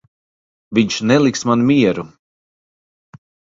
Viņš neliks man mieru.